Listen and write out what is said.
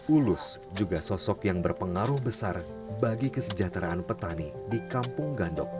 ulus juga sosok yang berpengaruh besar bagi kesejahteraan petani di kampung gandok